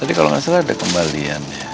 tadi kalau gak salah ada kembalian